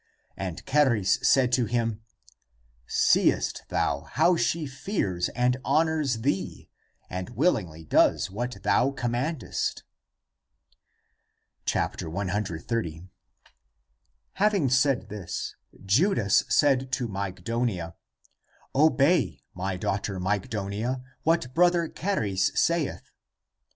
And Charis said to him, " Seest thou how she fears and honors thee, and willingly does what thou commandest ?" 130. Having said this, Judas said to Mygdonia, " Obey, my daughter Mygdonia, what Brother Charis saith."